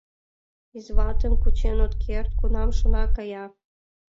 Изватым кучен от керт, кунам шона — кая.